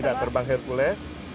saya tidak terbang hercules